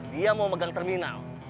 dia mau pegang terminal